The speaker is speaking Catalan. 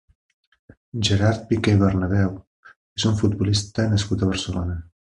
Gerard Piqué i Bernabeu és un futbolista nascut a Barcelona.